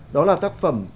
đó là tác phẩm